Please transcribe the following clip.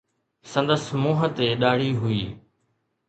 سندس منهن تي ڏاڙهي هئي